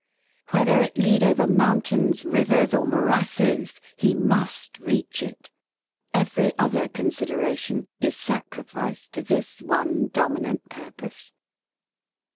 Whether it lead over mountains, rivers, or morasses, he must reach it. Every other consideration is sacrificed to this one dominant purpose.